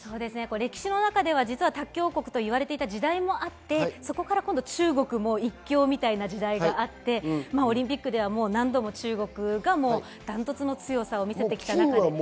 歴史の中で、卓球王国と言われていた時代もあって、そこから中国も一強みたいな時代があって、オリンピックでは何度も中国がダントツの強さを見せてきました。